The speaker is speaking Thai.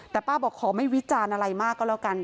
แต่ป้าบอกขอไม่วิจารณ์อะไรมากก็แล้วกัน